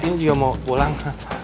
ini juga mau pulang